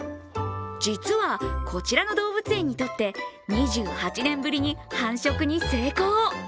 実は、こちらの動物園にとって２８年ぶりに繁殖に成功。